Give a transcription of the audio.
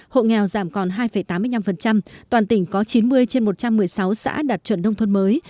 hộ nghèo giảm còn hai tám mươi năm toàn tỉnh có chín mươi trên một trăm một mươi sáu xã đạt chuẩn nông thôn mới